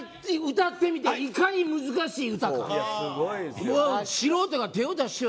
歌ってみて、いかに難しい歌かって。